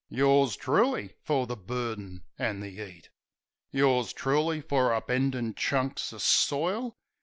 Yours truly fer the burden an' the 'eat! Yours truly fer upendin' chunks o' soil!